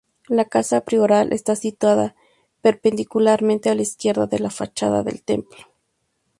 La Casa Prioral está situada perpendicularmente a la izquierda de la fachada del templo.